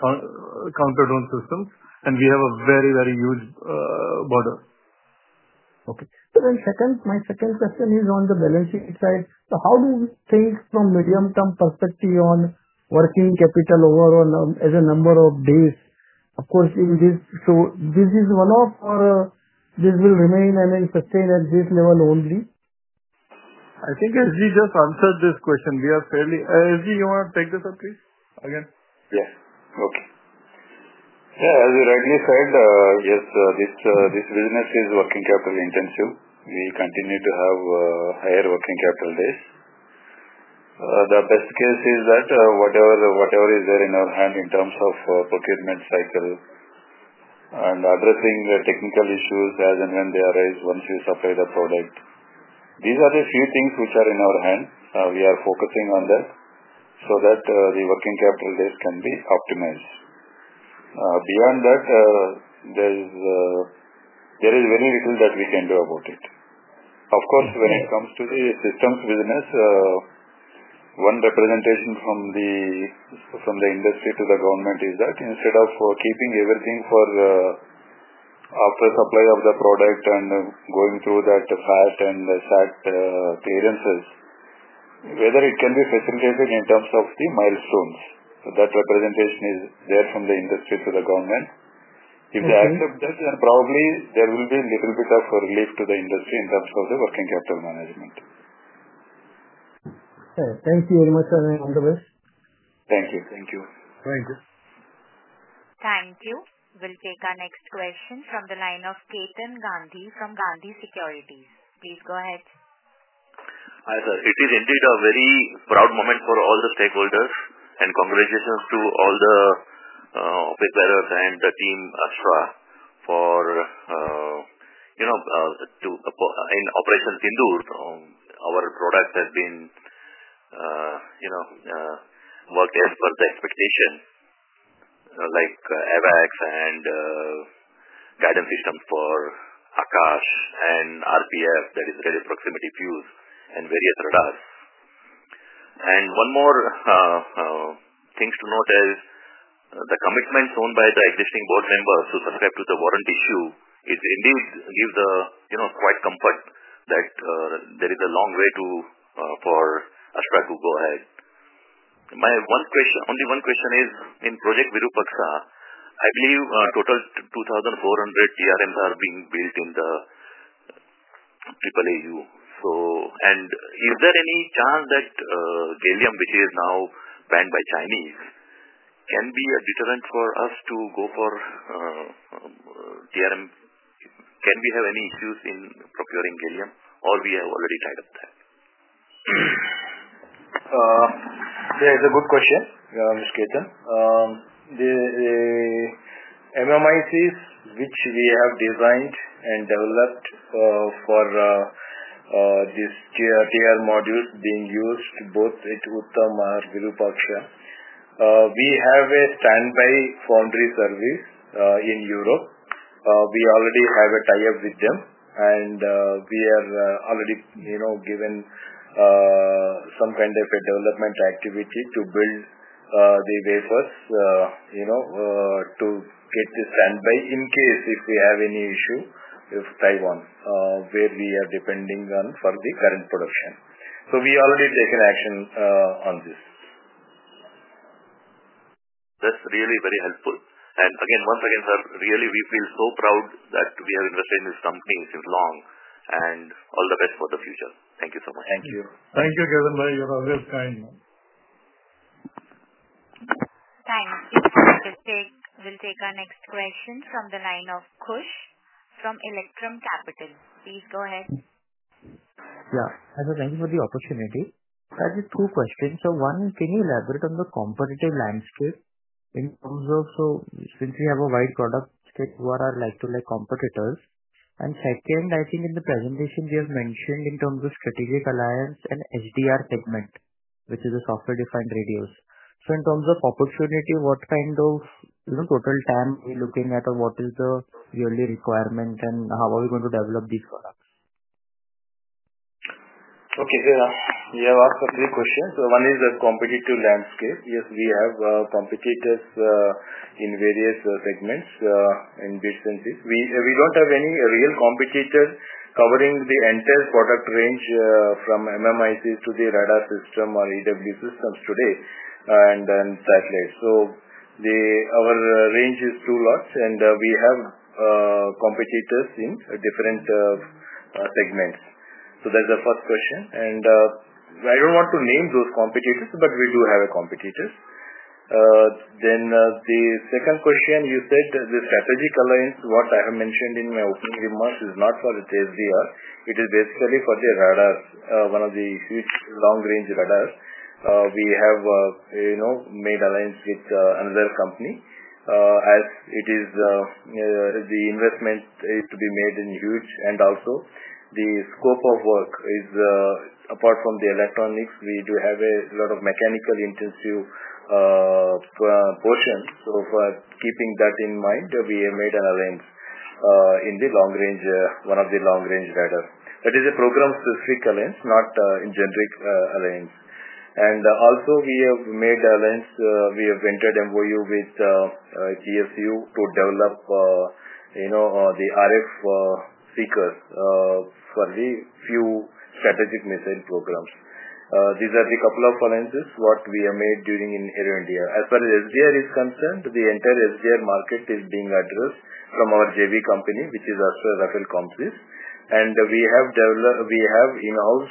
counter drone systems, and we have a very, very huge border. Okay. My second question is on the balancing side. How do you think from medium-term perspective on working capital overall as a number of days? Of course, this is one of our—this will remain and sustain at this level only. I think SG just answered this question. We are fairly—SG, you want to take this up, please? Again. Yes. Okay. Yeah. As you rightly said, yes, this business is working capital intensive. We continue to have higher working capital days. The best case is that whatever is there in our hand in terms of procurement cycle and addressing technical issues as and when they arise once you supply the product. These are the few things which are in our hand. We are focusing on that so that the working capital days can be optimized. Beyond that, there is very little that we can do about it. Of course, when it comes to the systems business, one representation from the industry to the government is that instead of keeping everything for after supply of the product and going through that fast and sad clearances, whether it can be facilitated in terms of the milestones. That representation is there from the industry to the government. If they accept that, then probably there will be a little bit of relief to the industry in terms of the working capital management. Thank you very much, sir. Thank you. We'll take our next question from the line of Ketan Gandhi from Gandhi Securities. Please go ahead. Hi, sir. It is indeed a very proud moment for all the stakeholders, and congratulations to all the operators and the team Astra for in Operation Sindhur, our products have been worked as per the expectation, like AVAX and guidance systems for Akash and RPF, that is, radio proximity fuse and various radars. One more thing to note is the commitment shown by the existing board members to subscribe to the warrant issue indeed gives quite comfort that there is a long way for Astra to go ahead. My only one question is, in Project Guru Paksha, I believe a total 2,400 TRMs are being built in the AAAU. Is there any chance that Gallium, which is now banned by Chinese, can be a deterrent for us to go for TRM? Can we have any issues in procuring Gallium, or we have already tied up that? Yeah. It's a good question, Ms. Ketan. The MMICs, which we have designed and developed for these TR modules being used both at Uttam and Guru Paksha, we have a standby foundry service in Europe. We already have a tie-up with them, and we are already given some kind of a development activity to build the wafers to get the standby in case if we have any issue with Taiwan, where we are depending on for the current production. We already taken action on this. That's really very helpful. And again, once again, sir, really, we feel so proud that we have invested in this company since long. All the best for the future. Thank you so much. Thank you. Thank you, Ketan. You're always kind. Thank you. We'll take our next question from the line of Khush Nahar from Electrum Capital. Please go ahead. Yeah. Hi, sir. Thank you for the opportunity. I have two questions. One, can you elaborate on the competitive landscape in terms of, since we have a wide product scale, who are our like-to-like competitors? Second, I think in the presentation, you have mentioned in terms of strategic alliance and SDR segment, which is the software-defined radios. In terms of opportunity, what kind of total TAM are we looking at, or what is the yearly requirement, and how are we going to develop these products? Okay. Yeah. You have asked a few questions. One is the competitive landscape. Yes, we have competitors in various segments in these senses. We don't have any real competitor covering the entire product range from MMICs to the radar system or EW systems today and satellites. So our range is too large, and we have competitors in different segments. That is the first question. I don't want to name those competitors, but we do have competitors. The second question, you said the strategic alliance, what I have mentioned in my opening remarks, is not for the SDR. It is basically for the radars, one of the huge long-range radars. We have made alliance with another company as it is the investment to be made in huge. Also, the scope of work is apart from the electronics, we do have a lot of mechanical intensive portion. For keeping that in mind, we have made an alliance in the long range, one of the long-range radars. That is a program-specific alliance, not a generic alliance. Also, we have made alliance. We have entered MOU with GSU to develop the RF seekers for the few strategic missile programs. These are the couple of alliances what we have made during Air India. As far as SDR is concerned, the entire SDR market is being addressed from our JV company, which is Astra Rafael Comsys. We have in-house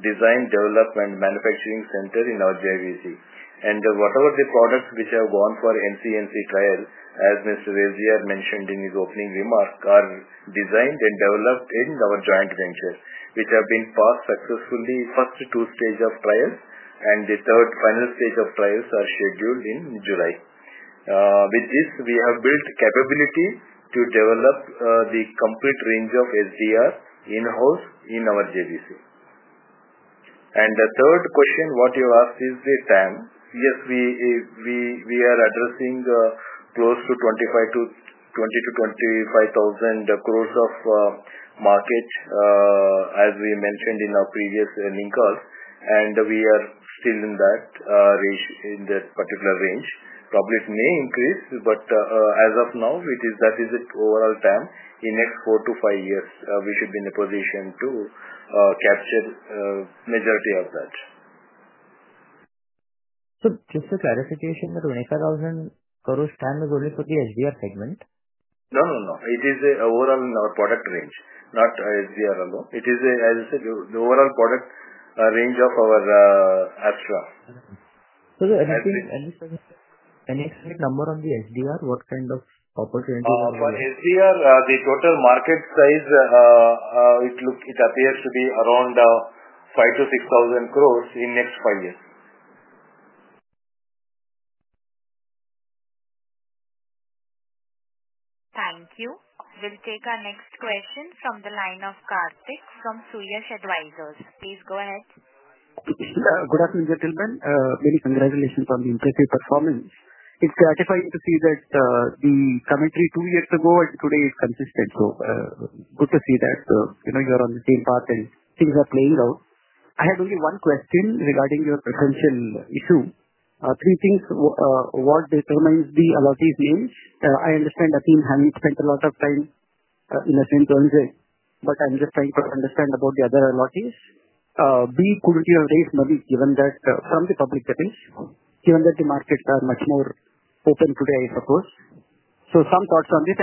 design, development, manufacturing center in our JVC. Whatever the products which have gone for NCNC trial, as Mr. Reddy had mentioned in his opening remark, are designed and developed in our joint venture, which have been passed successfully. First two stages of trials, and the third final stage of trials are scheduled in July. With this, we have built capability to develop the complete range of SDR in-house in our JVC. The third question you asked is the TAM. Yes, we are addressing close to 20,000-25,000 crore of market, as we mentioned in our previous earning call. We are still in that particular range. Probably it may increase, but as of now, that is the overall TAM. In the next four to five years, we should be in a position to capture the majority of that. Just a clarification, the INR 25,000 crore TAM is only for the SDR segment? No, no, no. It is overall in our product range, not SDR alone. It is, as I said, the overall product range of our Astra. The next number on the SDR, what kind of opportunities are there? For SDR, the total market size, it appears to be around 5,000-6,000 crore in the next five years. Thank you. We'll take our next question from the line of Karthi Keyan from Suyash Advisors. Please go ahead. Good afternoon, gentlemen. Many congratulations on the impressive performance. It's gratifying to see that the commentary two years ago and today is consistent. Good to see that you're on the same path and things are playing out. I had only one question regarding your potential issue. Three things. What determines the allottees' names? I understand Atim hasn't spent a lot of time in Atim's own zone, but I'm just trying to understand about the other allottees. B, could it be a raised money given that from the public debt issue, given that the markets are much more open today, I suppose? Some thoughts on this.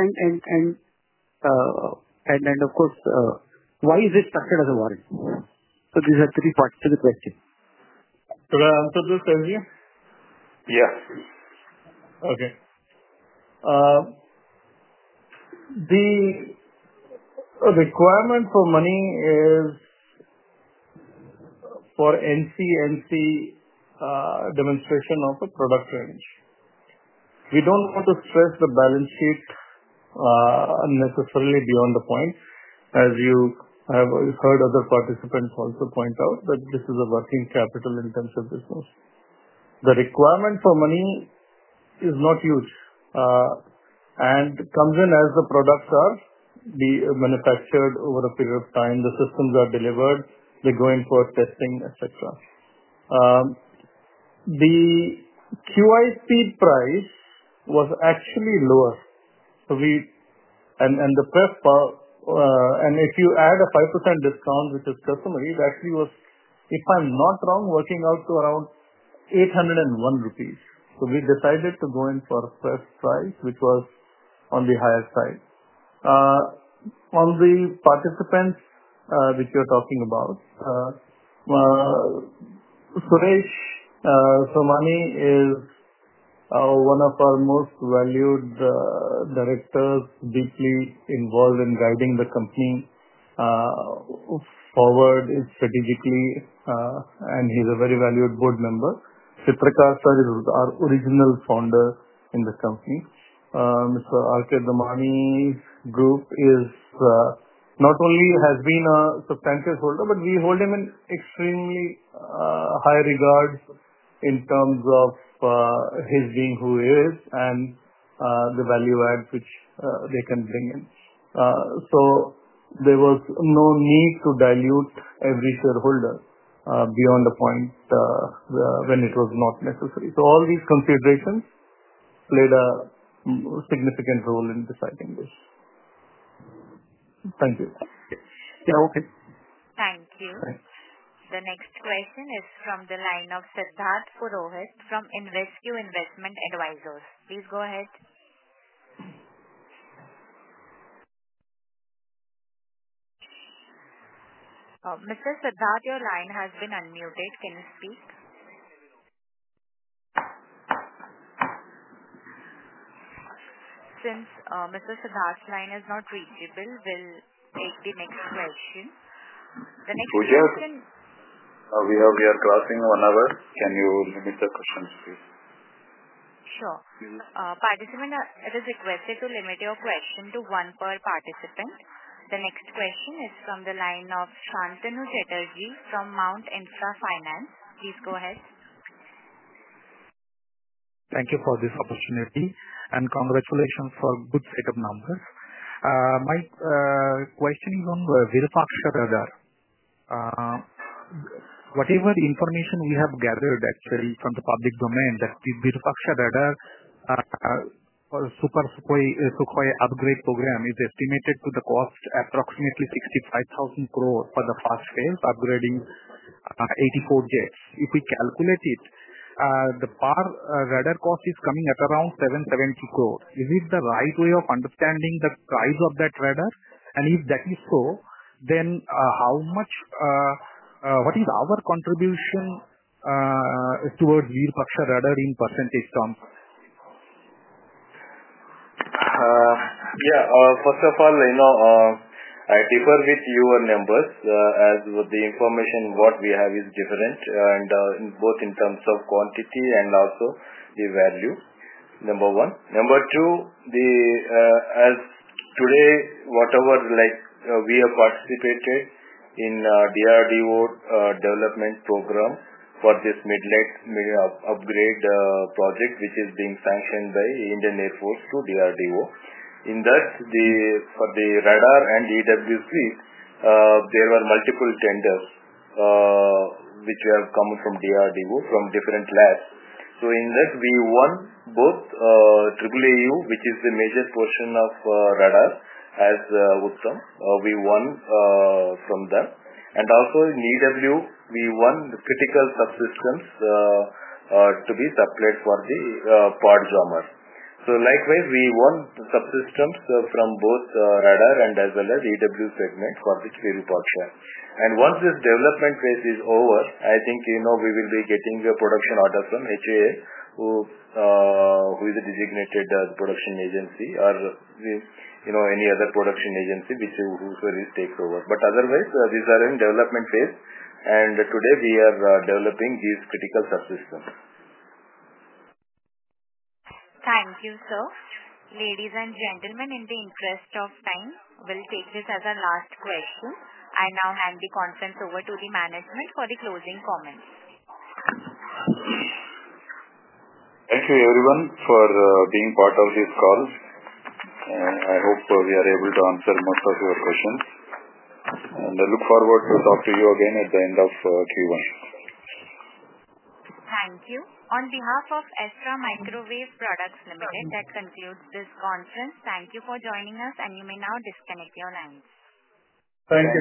Of course, why is it structured as a warrant? These are three parts to the question. Could I answer this, SG? Yes. Okay. The requirement for money is for NCNC demonstration of a product range. We do not want to stress the balance sheet unnecessarily beyond the point, as you have heard other participants also point out that this is a working capital intensive business. The requirement for money is not huge. It comes in as the products are manufactured over a period of time. The systems are delivered. They go in for testing, etc. The QI speed price was actually lower. If you add a 5% discount, which is customary, it actually was, if I am not wrong, working out to around 801 rupees. We decided to go in for a flat price, which was on the higher side. On the participants which you're talking about, Suresh Somani is one of our most valued directors, deeply involved in guiding the company forward strategically, and he's a very valued board member. Sitrakar Sir is our original founder in the company. Mr. Arke Dumani's group not only has been a substantial holder, but we hold him in extremely high regard in terms of his being who he is and the value add which they can bring in. There was no need to dilute every shareholder beyond the point when it was not necessary. All these considerations played a significant role in deciding this. Thank you. Okay. Thank you. The next question is from the line of Siddharth Purohit from Invescu Investment Advisors. Please go ahead. Mr. Siddharth, your line has been unmuted. Can you speak? Since Mr. Siddharth's line is not reachable, we'll take the next question. The next question, Sujya. We are crossing one hour. Can you limit the questions, please? Sure. Participant, it is requested to limit your question to one per participant. The next question is from the line of Santanu Chatterjee from Mount Intra Finance. Please go ahead. Thank you for this opportunity. And congratulations for a good set of numbers. My question is on Virupaksha Radar. Whatever information we have gathered, actually, from the public domain, that the Virupaksha Radar super Sukhoi upgrade program is estimated to cost approximately 65,000 crore for the fast-paced upgrading of 84 jets. If we calculate it, the per radar cost is coming at around 770 crore. Is it the right way of understanding the price of that radar? And if that is so, then what is our contribution towards Virupaksha Radar in percentage terms? Yeah. First of all, I differ with your numbers as the information what we have is different, both in terms of quantity and also the value, number one. Number two, as today, whatever we have participated in DRDO development program for this mid-light upgrade project, which is being sanctioned by Indian Air Force to DRDO. In that, for the radar and EW suite, there were multiple tenders which have come from DRDO from different labs. In that, we won both AAAU, which is the major portion of radar as Uttam. We won from them. Also in EW, we won the critical subsystems to be supplied for the PAR Jamar. Likewise, we won subsystems from both radar and as well as EW segment for the Virupaksha. Once this development phase is over, I think we will be getting a production order from HAL, who is a designated production agency, or any other production agency whichever takes over. Otherwise, these are in development phase. Today, we are developing these critical subsystems. Thank you, sir. Ladies and gentlemen, in the interest of time, we'll take this as our last question. I now hand the conference over to the management for the closing comments. Thank you, everyone, for being part of this call. I hope we are able to answer most of your questions. I look forward to talk to you again at the end of Q1. Thank you. On behalf of Astra Microwave Products Limited, that concludes this conference. Thank you for joining us, and you may now disconnect your lines. Thank you.